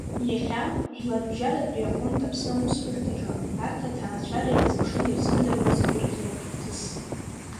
Иахьа, Жәларбжьаратәи афонд Аԥсны аусбарҭаҿы, арҭ аҭаацәара ирзыԥшын ирзымдыруаз агәырӷьаратә хҭыс.